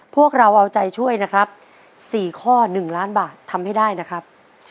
พวกเราเอาใจช่วยนะครับ๔ข้อ๑ล้านบาททำให้ได้นะครับ